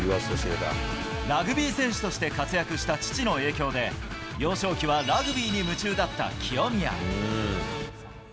ラグビー選手として活躍した父の影響で、幼少期はラグビーに夢中だった清宮。